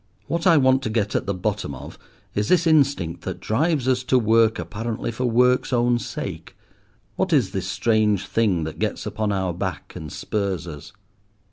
What I want to get at the bottom of is this instinct that drives us to work apparently for work's own sake. What is this strange thing that gets upon our back and spurs us?"